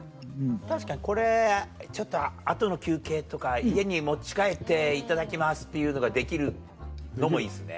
確かにこれちょっと後の休憩とか家に持ち帰っていただきますっていうのができるのもいいですね。